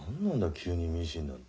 急にミシンなんて。